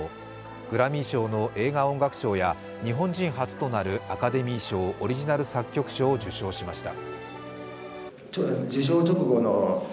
グラミー賞の映画音楽賞や、日本人初となるアカデミー賞・オリジナル作曲賞を受賞しました。